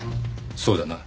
そうだな？